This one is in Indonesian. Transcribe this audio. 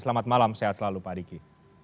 selamat malam sehat selalu pak diki